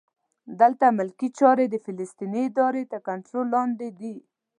دلته ملکي چارې د فلسطیني ادارې تر کنټرول لاندې دي.